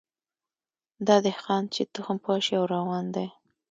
دا دهقان چي تخم پاشي او روان دی